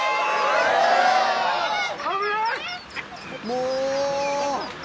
もう！